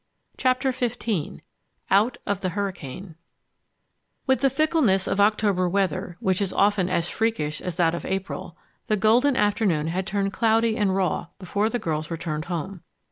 CHAPTER XV OUT OF THE HURRICANE With the fickleness of October weather (which is often as freakish as that of April), the golden afternoon had turned cloudy and raw before the girls returned home.